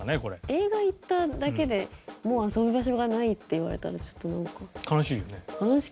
映画行っただけでもう遊ぶ場所がないって言われたらちょっとなんか。